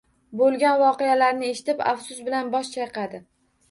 Bo`lgan voqealarni eshitib afsus bilan bosh chayqadi